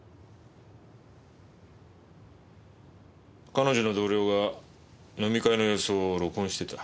彼女の同僚が飲み会の様子を録音してた。